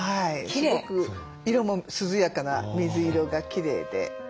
すごく色も涼やかな水色がきれいで。